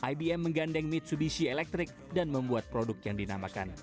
ibm menggandeng mitsubishi electric dan membuat produk yang dinamakan